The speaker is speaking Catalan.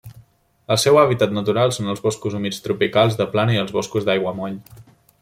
El seu hàbitat natural són els boscos humits tropicals de plana i els boscos d'aiguamoll.